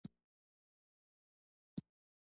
افغانستان لرغوني مخینه لري